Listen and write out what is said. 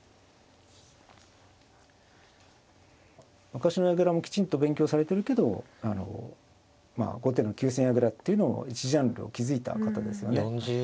昔の矢倉もきちんと勉強されてるけどまあ後手の急戦矢倉っていうのを一ジャンルを築いた方ですよね。